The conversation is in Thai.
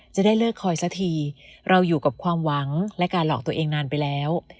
จะได้เลิกคอยสักทีเราอยู่กับความหวังและการหลอกตัวเองนานไปแล้ว